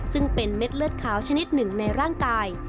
ซึ่งเป็นเม็ดเลือดขาวชนิดหนึ่งในร่างกาย